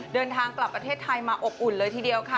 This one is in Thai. เดินทางกลับประเทศไทยมาอบอุ่นเลยทีเดียวค่ะ